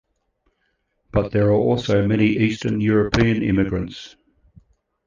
But there are also many eastern European immigrants.